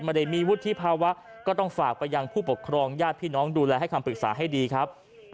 ไม่ได้มีวุฒิภาวะก็ต้องฝากไปยังผู้ปกครองญาติพี่น้องดูแลให้คำปรึกษาให้ดีครับ